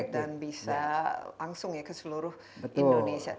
dan bisa langsung ya ke seluruh indonesia